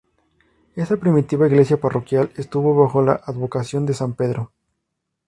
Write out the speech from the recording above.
Esa primitiva iglesia parroquial estuvo bajo la advocación de san Pedro.